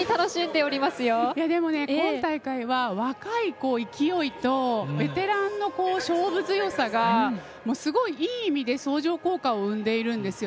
今大会は若い勢いとベテランの勝負強さがすごい、いい意味で相乗効果を生んでいるんです。